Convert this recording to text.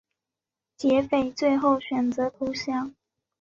劫匪最后选择投降。